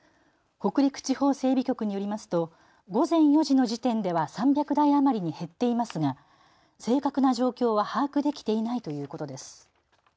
北陸地方整備局によりますと午前４時の時点では３００台余りに減っていますが正確な状況は把握できていないということです。